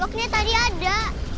pokoknya tadi ada